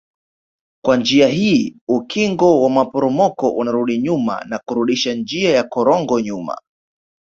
Kwa njia hii ukingo wa maporomoko unarudi nyuma na kurudisha njia ya korongo nyuma